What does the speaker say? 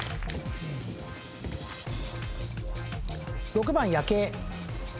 ６番夜警。